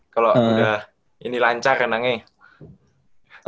kalo udah ini lancar nangih